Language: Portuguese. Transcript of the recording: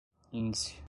índice